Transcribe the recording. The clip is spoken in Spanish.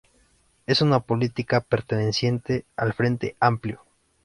Es una política perteneciente al Frente Amplio.